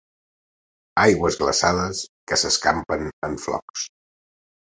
Aigües glaçades que s'escampen en flocs.